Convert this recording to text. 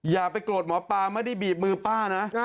อย่าไปโกรธหมอปลาไม่ได้บีบมือป้านะ